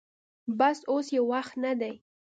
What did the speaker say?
بس اوس يې وخت نه دې.